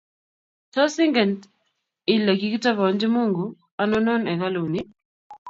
tos inget ile kikitobonchi mungu anonon ekaluni?